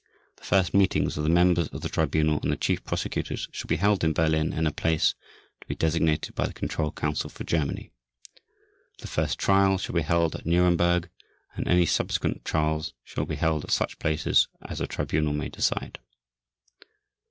The first meetings of the members of the Tribunal and of the Chief Prosecutors shall be held at Berlin in a place to be designated by the Control Council for Germany. The first trial shall be held at Nuremberg, and any subsequent trials shall be held at such places as the Tribunal may decide.